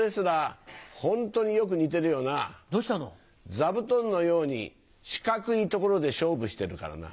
座布団のように四角い所で勝負してるからな。